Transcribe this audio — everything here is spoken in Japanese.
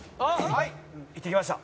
「はい行ってきました」